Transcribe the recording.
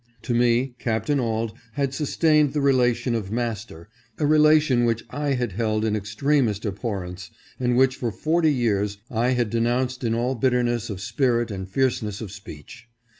To me Captain Auld had sustained the relation of master — a relation which I had held in ex tremest abhorrence, and which for forty years I had denounced in all bitterness of spirit and fierceness of speech.